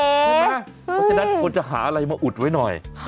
เพราะฉะนั้นควรจะหาอะไรมาอุดไว้หน่อย